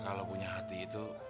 kalau punya hati itu